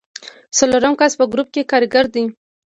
څلورم کس په ګروپ کې کاریګر دی.